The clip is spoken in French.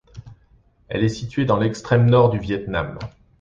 Elle est située dans l’extrême nord du Viêtnam.